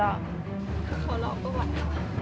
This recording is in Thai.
เข้ารอก็ไหว